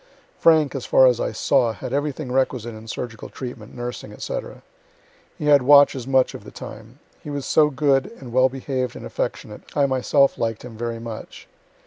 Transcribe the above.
Frank, as far as I saw, had everything requisite in surgical treatment, nursing, &c. He had watches much of the time. He was so good and well behaved and affectionate, I myself liked him very much.